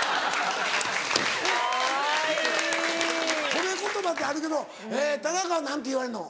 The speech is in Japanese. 褒め言葉ってあるけど田中は何て言われんの？